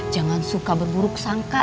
jangan suka berburuk sangka